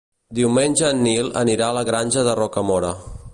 Diumenge en Nil anirà a la Granja de Rocamora.